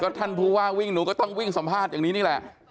ท่านผู้ว่าวิ่งหนูก็ต้องวิ่งสัมภาษณ์อย่างนี้นี่แหละ